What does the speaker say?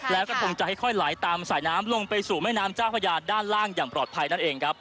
แล้วก็คงจะค่อยไหลตามสายน้ำลงไปสู่แม่น้ำเจ้าพญาด้านล่างอย่างปลอดภัยนั่นเองครับ